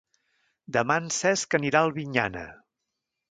Demà en Cesc anirà a Albinyana.